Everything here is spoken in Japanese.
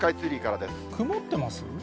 曇ってます？